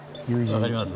分かります？